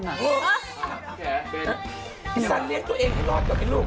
พี่สันเลี้ยงตัวเองอย่าลอดอย่าเป็นลูก